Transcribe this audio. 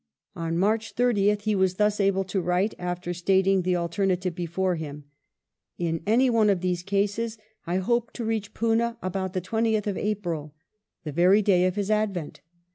. On JViarch 30th he was thus able to write, after stating the alter native before him, "In any one of these cases I hope to reach Poena about the 20th of April"— the very day of his advent.